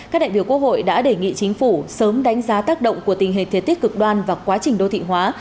các đại biểu quốc hội đã đề nghị chính phủ sớm đánh giá tác động của tình hình thế tiết cực đoan và quá trình đô thị hóa